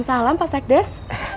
waalaikumsalam pak saekdes